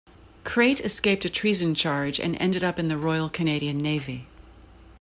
Crate escaped a treason charge and ended up in the Royal Canadian Navy.